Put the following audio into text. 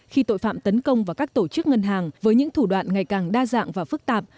khi tội phạm tấn công vào các tổ chức ngân hàng với những thủ đoạn ngày càng đa dạng và phức tạp